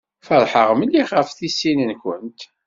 Feṛḥeɣ mliḥ ɣef tisin-nkent.